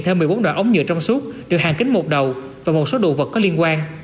theo một mươi bốn đoạn ống nhựa trong suốt được hàng kính một đầu và một số đồ vật có liên quan